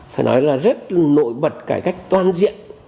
phải nói là rất là nổi bật cải cách toàn diện